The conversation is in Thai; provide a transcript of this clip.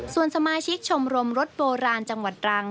ส่วนสมาชิกชมรมรถโบราณจังหวัดตรัง